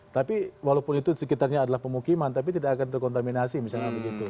tapi walaupun itu sekitarnya adalah pemukiman tapi tidak akan terkontaminasi misalnya begitu